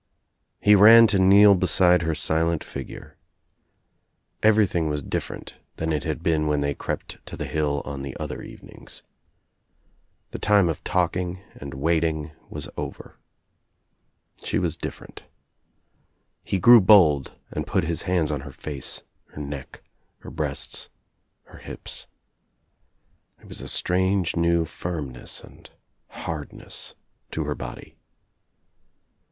He ran to kneel beside her silent figure. Every* thing was different than it had been when they crept to the hill on the other evenings. The time of talking ^^^^^ MOTHERHOOD 169 ^B and waiting was over. She was different. He grew bold and put his hands on her face, her neck, her breasts, her hips. There was a strange new firmnesa and hardness to her body.